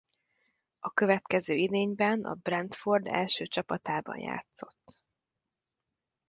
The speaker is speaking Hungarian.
A következő idényben a Brentford első csapatában játszott.